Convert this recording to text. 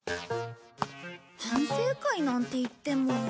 反省会なんていっても。